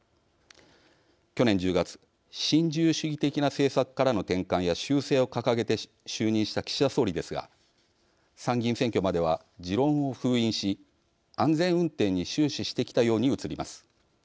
去年１０月新自由主義的な政策からの転換や修正を掲げて就任した岸田総理ですが参議院選挙までは持論を封印し安全運転に終始してきたように映ります。